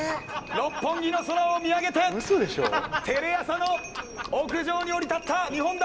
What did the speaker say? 六本木の空を見上げてテレ朝の屋上に降り立った日本代表。